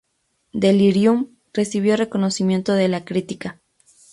Delirium recibió reconocimiento de la crítica.